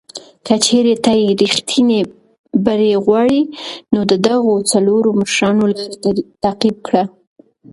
که چېرې ته ریښتینی بری غواړې، نو د دغو څلورو مشرانو لاره تعقیب کړه.